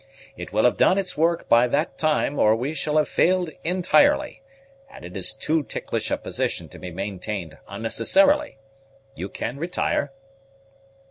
It will have done its work by that time, or we shall have failed entirely, and it is too ticklish a position to be maintained unnecessarily. You can retire."